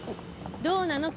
どうなの？